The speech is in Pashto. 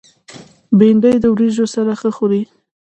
بېنډۍ د وریژو سره ښه خوري